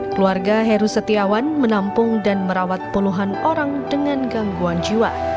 keluarga heru setiawan menampung dan merawat puluhan orang dengan gangguan jiwa